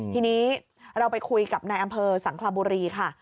ทีนี้เราไปคุยกับนายอำเภอสังคลาบุรีค่ะ